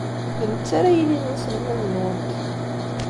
D netta ara yilin d aselmad-nwent.